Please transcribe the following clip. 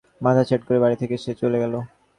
মাথা হেঁট করে বাড়ি থেকে সে চলে গেল।